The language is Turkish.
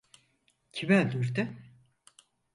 Kim öldürdü?